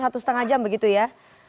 satu setengah jam begitu ya